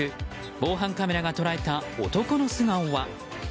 防犯カメラが捉えた男の素顔は？